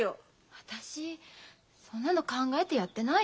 私そんなの考えてやってないよ。